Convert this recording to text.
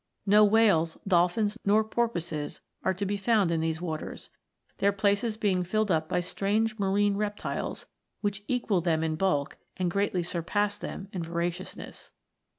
No whales, dolphins, nor porpoises are to be found in these waters, their places being filled up by strange marine reptiles, which equal them in bulk, and greatly surpass them in voraciousness.